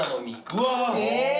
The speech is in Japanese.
うわ！